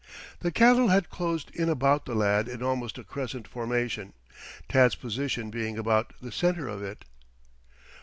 The cattle had closed in about the lad in almost a crescent formation, Tad's position being about the center of it.